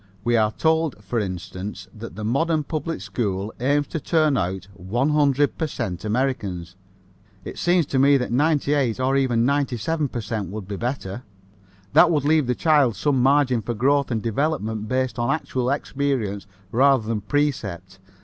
We are told, for instance, that the modern public school aims to turn out 100 per cent Americans. It seems to me that 98 or even 97 per cent would be better. That would leave the child some margin for growth and development based on actual experience rather than precept.